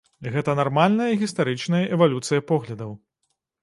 Гэта нармальная гістарычная эвалюцыя поглядаў.